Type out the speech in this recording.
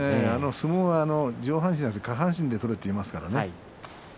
相撲は上半身じゃなくて下半身で取れと言いますからね。